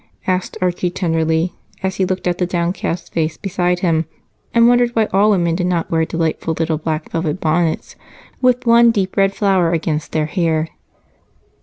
asked Archie tenderly as he looked at the downcast face beside him and wondered why all women did not wear delightful little black velvet bonnets with one deep red flower against their hair.